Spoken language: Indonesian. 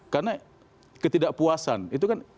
karena ketidakpuasan itu kan